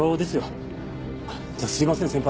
じゃあすいません先輩。